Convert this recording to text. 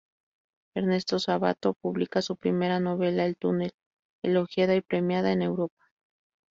Ernesto Sabato publica su primera novela, "El túnel", elogiada y premiada en Europa.